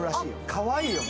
かわいいよね。